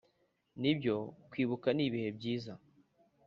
nibyo, kwibuka nibihe byiza,